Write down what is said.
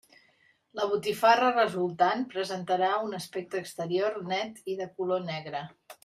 La botifarra resultant presentarà un aspecte exterior net i de color negre.